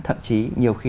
thậm chí nhiều khi